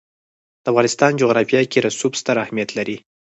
د افغانستان جغرافیه کې رسوب ستر اهمیت لري.